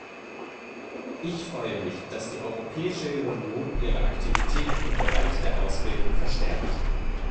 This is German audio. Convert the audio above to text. Ich freue mich, dass die Europäische Union ihre Aktivitäten im Bereich der Ausbildung verstärkt.